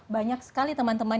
banyak sekali teman teman